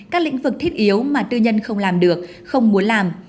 các lĩnh vực thiết yếu mà tư nhân không làm được không muốn làm